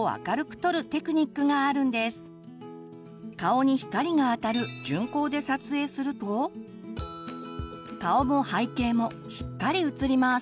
顔に光があたる順光で撮影すると顔も背景もしっかり写ります。